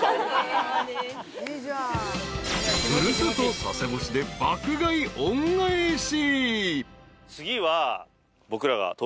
［古里佐世保市で爆買い恩返し］